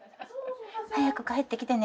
早く帰ってきてね。